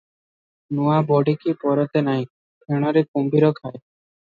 ନୂଆ ବଢ଼ିକି ପରତେ ନାହିଁ, ଫେଣରେ କୁମ୍ଭୀର ଖାଏ ।